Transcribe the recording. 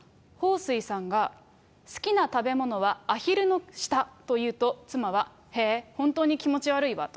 彭帥さんが、好きな食べ物はアヒルの舌というと、妻はへぇー、本当に気持ち悪いわと。